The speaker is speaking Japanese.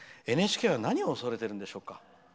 ＮＨＫは何を恐れてるんでしょうか。